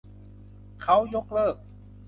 เค้ายกเลิก